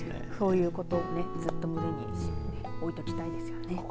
こういうことをずっと胸に置いておきたいですね。